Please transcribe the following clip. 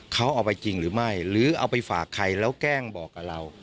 เขาเอาไปจริงหรือไม่หรือเอาไปฝากใครแล้วแกล้งบอกกับเรา